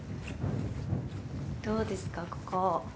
どうですか、ここ。